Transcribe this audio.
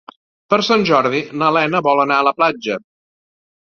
Per Sant Jordi na Lena vol anar a la platja.